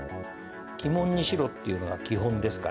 鬼門に白っていうのは基本ですから。